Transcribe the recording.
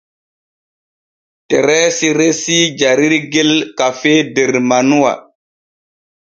Tereesi resii jarirgel kafee der manuwa.